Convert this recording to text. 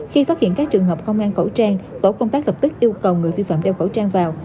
khi phát hiện các trường hợp không mang khẩu trang tổ công tác lập tức yêu cầu người vi phạm đeo khẩu trang vào